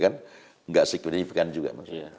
nggak signifikan juga